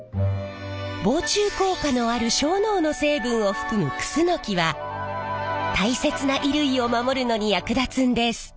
防虫効果のあるしょうのうの成分を含むクスノキは大切な衣類を守るのに役立つんです。